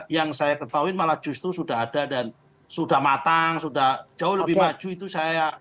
yang saya ketahui malah justru sudah ada dan sudah matang sudah jauh lebih maju itu saya